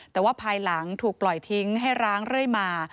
แต่ว่าภายหลังถูกปล่อยทิ้งให้ร้างเรื่อยมา